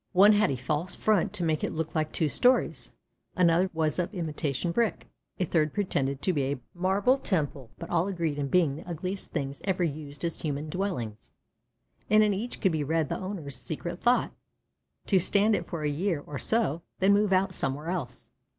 One had a false front to make it look like two stories, another was of imitation brick, a third pretended to be a marble temple. But all agreed in being the ugliest things ever used as human dwellings, and in each could be read the owner's secret thought to stand it for a year or so, then move out somewhere else.